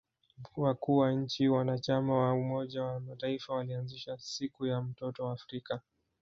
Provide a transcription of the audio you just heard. Wakuu wa nchi wanachama wa umoja wa mataifa walianzisha siku ya mtoto wa Afrika